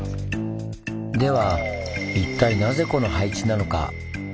では一体なぜこの配置なのか？